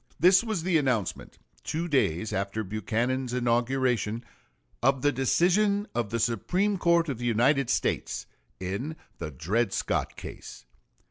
This was the announcement, two days after Buchanan's inauguration, of the decision of the Supreme Court of the United States in the Dred Scott case.